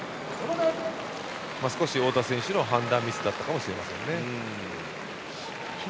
少し太田選手の判断ミスだったかもしれませんね。